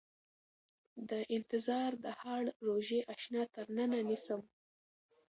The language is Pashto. د انتظار د هاړ روژې اشنا تر ننه نيسم